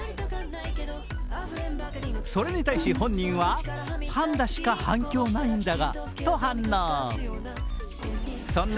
それに対し、本人は「パンダしか反響ないんだが」と応戦。